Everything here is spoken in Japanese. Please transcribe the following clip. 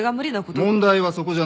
問題はそこじゃない。